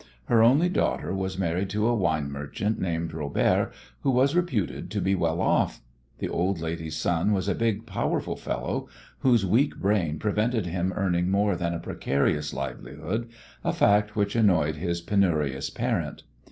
Her only daughter was married to a wine merchant named Robert, who was reputed to be well off. The old lady's son was a big, powerful fellow, whose weak brain prevented him earning more than a precarious livelihood, a fact which annoyed his penurious parent.